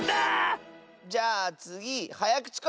じゃあつぎはやくちことば！